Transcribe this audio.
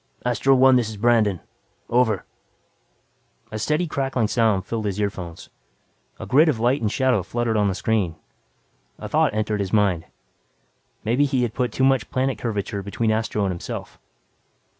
"Astro One, this is Brandon. Over." A steady crackling sound filled his earphones; a grid of light and shadow fluttered on the screen. A thought entered his mind. Maybe he had put too much planet curvature between Astro and himself.